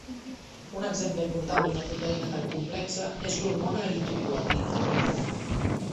Un exemple important d'una proteïna tan complexa és l'hormona eritropoetina.